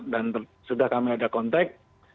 dan sudah kami ada kontak